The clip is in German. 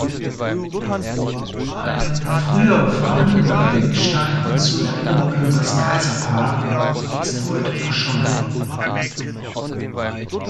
Ein früher vorhandener Gedenkstein zur Erinnerung an das Kaiserpaar ist heute verschollen.